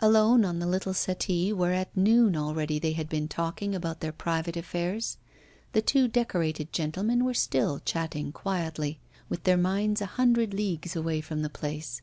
Alone on the little settee where at noon already they had been talking about their private affairs, the two decorated gentlemen were still chatting quietly, with their minds a hundred leagues away from the place.